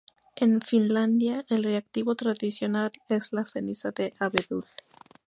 En Finlandia, el reactivo tradicional es la ceniza de abedul.